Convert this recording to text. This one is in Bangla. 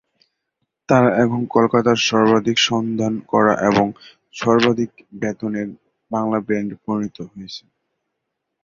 তারা এখন কলকাতার সর্বাধিক সন্ধান করা এবং সর্বাধিক বেতনের বাংলা ব্যান্ডে পরিণত হয়েছে।